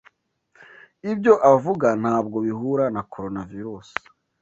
Ibyo avuga ntabwo bihura na Coronavirus.